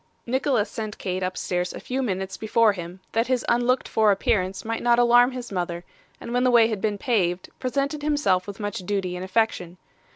Nicholas sent Kate upstairs a few minutes before him, that his unlooked for appearance might not alarm his mother, and when the way had been paved, presented himself with much duty and affection.